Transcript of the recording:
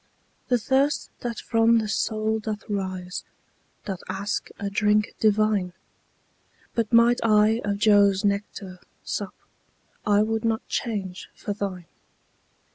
The thirst that from the soul doth rise, Doth ask a drink divine: But might I of Jove's nectar sup, I would not change for thine.